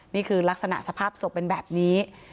นี่คือลักษณะสภาพศพเป็นแบบนี้